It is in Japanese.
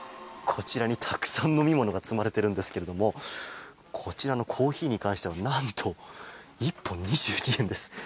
こちらにたくさん飲み物が積まれているんですけれどもこちらのコーヒーに関しては何と１本２２円です。